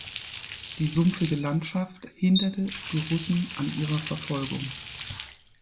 Die sumpfige Landschaft hinderte die Russen an ihrer Verfolgung.